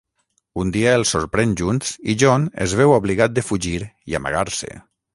Un dia els sorprèn junts i John es veu obligat de fugir i amagar-se.